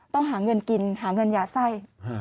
ต้องหาเงินกินหาเงินยาไส้